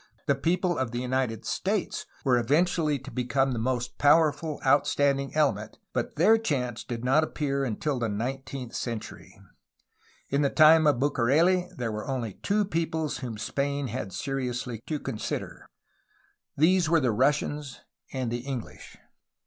The people of the United States were eventually 254 RUSSIAN AND ENGLISH AGGRESSIONS 255 to become the most powerful outstanding element, but their chance did not appear until the nineteenth century. In the time of Bucareli there were only two peoples whom Spain had seriously to consider. These were the Russians and the EngHsh.